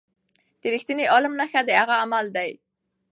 د رښتیني عالم نښه د هغه عمل دی.